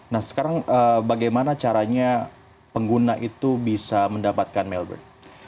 nah sekarang bagaimana caranya pengguna itu bisa mendapatkan melbourne